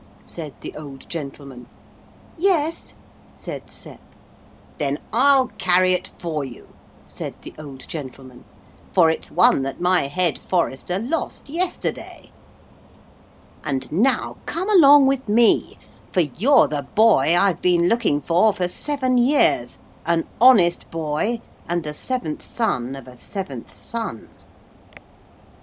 said the old gentleman. 'Yes,' said Sep. 'Then I'll carry it for you,' said the old gentleman, 'for it's one that my head forester lost yesterday. And now come along with me, for you're the boy I've been looking for for seven years an honest boy and the seventh son of a seventh son.'